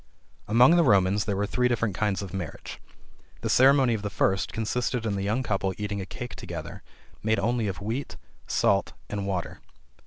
Among the Romans there were three different kinds of marriage. The ceremony of the first consisted in the young couple eating a cake together made only of wheat, salt and water.